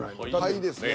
肺ですね